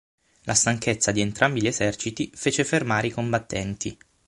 La stanchezza di entrambi gli eserciti fece fermare i combattimenti.